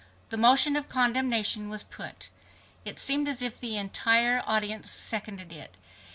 The motion of condemnation was put. It seemed as if the entire audience seconded it.